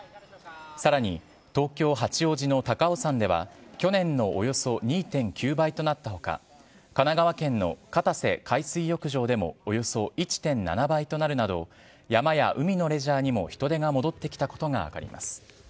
さらに東京・八王子の高尾山では去年のおよそ２．９倍となった他神奈川県の片瀬海水浴場でもおよそ１．７倍となるなど山や海のレジャーにも人出が戻ってきたことが分かります。